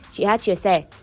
chị hát chia sẻ